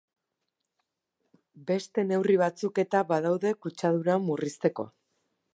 Beste neurri batzuk eta badaude kutsadura murrizteko